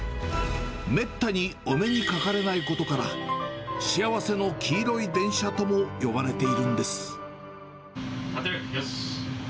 めったにお目にかかれないことから、幸せの黄色い電車とも呼ばれ圧力よし！